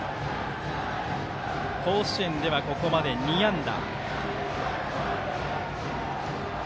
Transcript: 甲子園では、ここまで２安打。